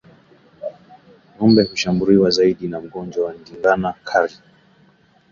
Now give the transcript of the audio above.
Ngombe hushambuliwa zaidi na ugonjwa wa ndigana kali